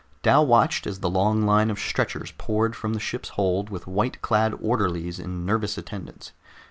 Dal watched as the long line of stretchers poured from the ship's hold with white clad orderlies in nervous attendance.